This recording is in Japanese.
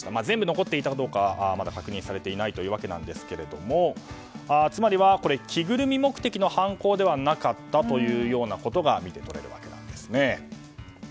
全部残っていたかどうかはまだ確認されていないわけですがつまりは、着ぐるみ目的の犯行ではなかったということが見て取れるわけなんです。